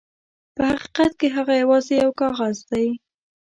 په حقیقت کې هغه یواځې یو کاغذ دی.